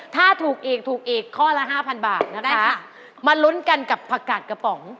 ถ้าถูกเอกข้อละ๕๐๐๐บาทนะคะมาลุ้นกันกับประกาศกระป๋อง